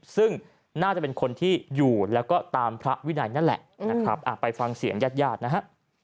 ซึ่งน่าจะเป็นคนที่อยู่แล้วก็ตามพระวินัยนั่นแหละนะครับไปฟังเสียงญาติญาตินะฮะ